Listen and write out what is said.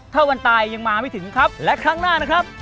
ถ้าวันตายยังมาไม่ถึงครับและครั้งหน้านะครับ